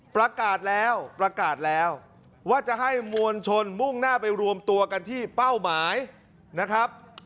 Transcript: ประกาศแล้วประกาศแล้วว่าจะให้มวลชนมุ่งหน้าไปรวมตัวกันที่เป้าหมายนะครับ